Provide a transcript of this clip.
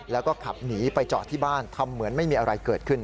แล้วก็ขับหนีไปจอดที่บ้านทำเหมือนไม่มีอะไรเกิดขึ้น